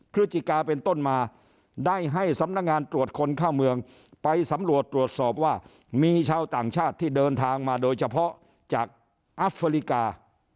พฤศจิกาเป็นต้นมาได้ให้สำนักงานตรวจคนเข้าเมืองไปสำรวจตรวจสอบว่ามีชาวต่างชาติที่เดินทางมาโดยเฉพาะจากอัฟริกา